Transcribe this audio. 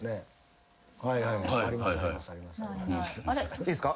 いいっすか？